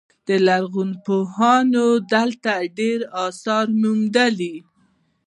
لرغونپوهانو دلته ډیر اثار موندلي